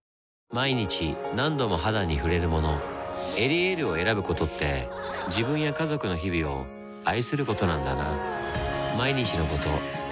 毎日何度も肌に触れるもの「エリエール」を選ぶことって自分や家族の日々を愛することなんだなぁ